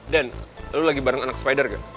den lo lagi bareng anak spider kan